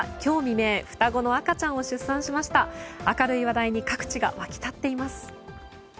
明るい話題に各地が沸き立っています。